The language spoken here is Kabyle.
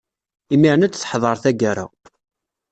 Imiren ad d-teḥḍer taggara.